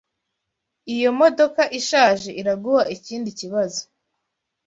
Iyo modoka ishaje iraguha ikindi kibazo?